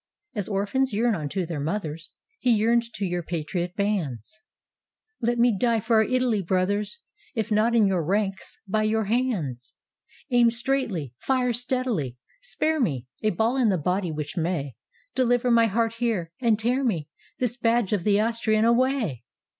As orphans yearn on to their mothers, He yearned to your patriot bands; — ITALY *'Let me die for our Italy, brothers, If not in your ranks, by your hands! "Aim straightly, fire steadily! spare me A ball in the body which may Deliver my heart here and tear me This badge of the Austrian away!"